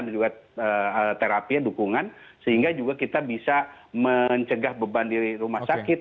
dan juga terapian dukungan sehingga juga kita bisa mencegah beban di rumah sakit